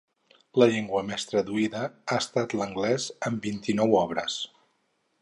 La llengua més traduïda ha estat l'anglès, amb vint-i-nou obres.